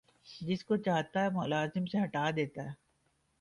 جس کو چاہتا ملازمت سے ہٹا دیتا